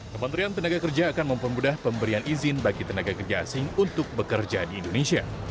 kementerian tenaga kerja akan mempermudah pemberian izin bagi tenaga kerja asing untuk bekerja di indonesia